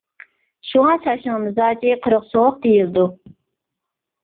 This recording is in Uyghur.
شۇڭا چاچنىڭ مىزاجى قۇرۇق سوغۇق دېيىلىدۇ.